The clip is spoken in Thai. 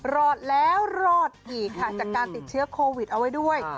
รอดแล้วรอดอีกค่ะจากการติดเชื้อโควิดเอาไว้ด้วย